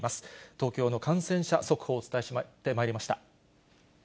東京の感染者速報をお伝えしてまいりました。